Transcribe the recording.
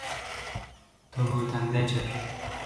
"To był tandeciarz."